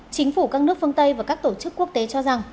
chính phủ các nước phương tây và các tổ chức quốc tế cho rằng